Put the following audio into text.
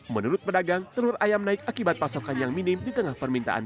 menurut pedagang telur ayam naik akibat pasokan yang minim di tengah permintaan